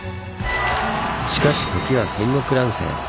しかし時は戦国乱世。